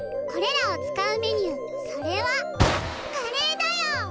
これらを使うメニューそれはカレーだよ！